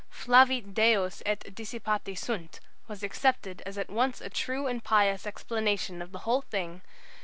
'Flavit Deus et dissipati sunt' was accepted as at once a true and pious explanation of the whole thing.